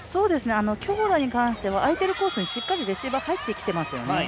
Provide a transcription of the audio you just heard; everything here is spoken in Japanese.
強打に関しては空いてるコースにしっかりレシーブ入ってきていますよね。